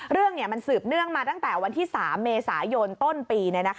เรื่องมันสืบเนื่องมาตั้งแต่วันที่๓เมษายนต้นปี